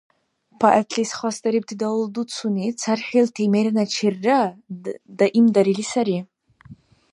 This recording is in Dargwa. Поэтлис хасдарибти далдуцуни цархӀилти мераначирра даимдарили сари.